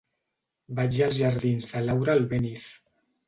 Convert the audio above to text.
Vaig als jardins de Laura Albéniz.